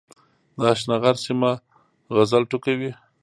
د اشنغر سيمه غزل ټوکوي